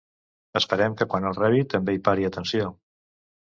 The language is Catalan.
Esperem que quan el rebi també hi pari atenció!